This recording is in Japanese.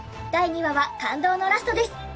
第２話は感動のラストです。